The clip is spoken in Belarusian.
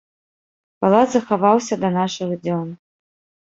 Палац захаваўся да нашых дзён.